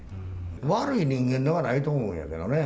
悪い人間ではないと思うんやけどね。